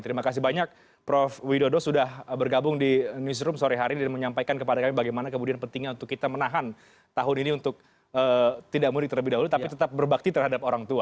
terima kasih banyak prof widodo sudah bergabung di newsroom sore hari ini dan menyampaikan kepada kami bagaimana kemudian pentingnya untuk kita menahan tahun ini untuk tidak mudik terlebih dahulu tapi tetap berbakti terhadap orang tua